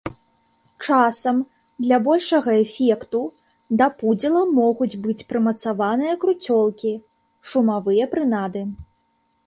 Часам для большага эфекту да пудзіла могуць быць прымацаваныя круцёлкі, шумавыя прынады.